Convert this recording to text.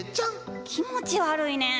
気持ち悪いねん！